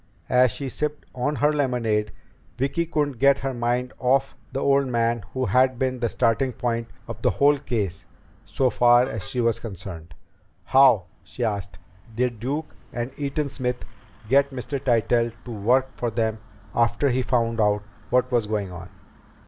As she sipped on her lemonade Vicki couldn't get her mind off the old man who had been the starting point of the whole case so far as she was concerned. "How," she asked, "did Duke and Eaton Smith get Mr. Tytell to work for them after he found out what was going on?"